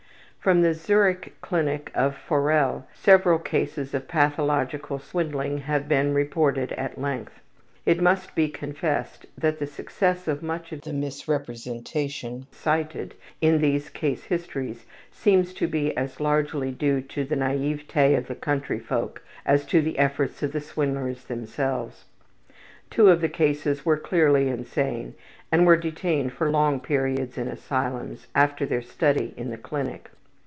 From the Zurich clinic of Forel several cases of pathological swindling have been reported at length. It must be confessed that the success of much of the misrepresentation cited in these case histories seems to be as largely due to the naivete of the country folk as to the efforts of the swindlers themselves. Two of the cases were clearly insane and were detained for long periods in asylums after their study in the clinic.